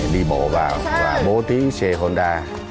đi bộ vào và bố tí xe honda